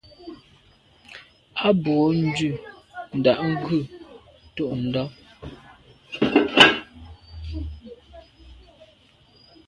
A bwô ndù ndà ghù ntôndà.